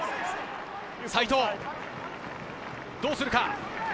齋藤、どうするか？